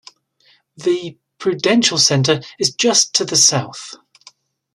The Prudential Center is just to the south.